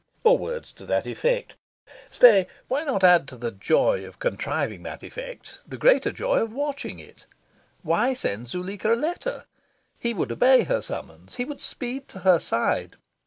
Or words to that effect... Stay! why not add to the joy of contriving that effect the greater joy of watching it? Why send Zuleika a letter? He would obey her summons. He would speed to her side.